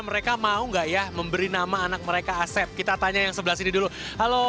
mereka mau nggak ya memberi nama anak mereka asep kita tanya yang sebelah sini dulu halo